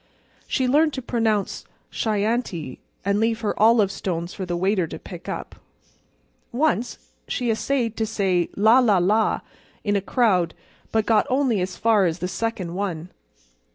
She learned to pronounce Chianti, and leave her olive stones for the waiter to pick up. Once she essayed to say la, la, la! in a crowd but got only as far as the second one.